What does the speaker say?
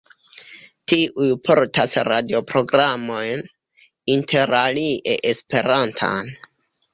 Tiuj portas radioprogramojn, interalie Esperantan.